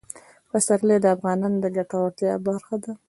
پسرلی د افغانانو د ګټورتیا برخه ده.